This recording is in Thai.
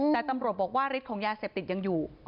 แต่ตำรวจบอกว่าฤทธิ์ของยาเสพติดยังอยู่